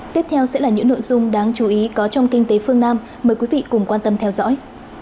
tiếp theo sẽ là những nội dung đáng chú ý có trong kinh tế phương nam mời quý vị cùng quan tâm theo dõi